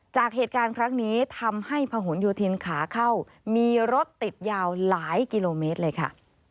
จากเหตุการณ์ครั้งนี้ทำให้พหนโยธินขาเข้ามีรถติดยาวหลายกิโลเมตรเลยค่ะ